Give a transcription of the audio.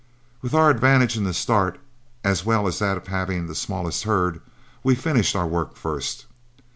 With our advantage in the start, as well as that of having the smallest herd, we finished our work first.